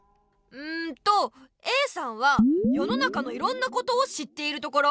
んとＡさんはよの中のいろんなことを知っているところ。